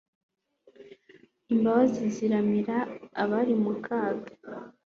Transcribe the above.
imbabazi ziramira abari mu kaga